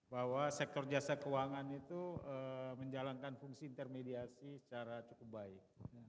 bahwa sektor jasa keuangan itu menjalankan fungsi intermediasi secara cukup baik